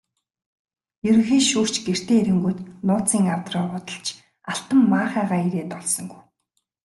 Ерөнхий шүүгч гэртээ ирэнгүүт нууцын авдраа уудалж алтан маахайгаа эрээд олсонгүй.